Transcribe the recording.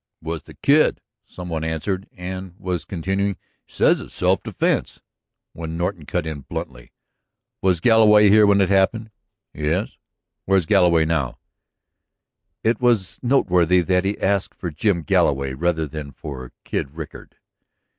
"It was the Kid," some one answered, and was continuing, "He says it was self defense ..." when Norton cut in bluntly: "Was Galloway here when it happened?" "Yes." "Where's Galloway now?" It was noteworthy that he asked for Jim Galloway rather than for Kid Rickard.